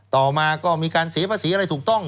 ต่อมาก็มีการเสียภาษีอะไรถูกต้อง